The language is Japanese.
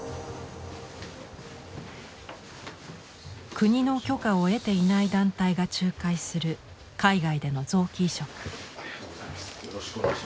国の許可を得ていない団体が仲介する海外での臓器移植。